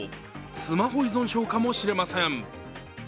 スマホ依存症かもしれません。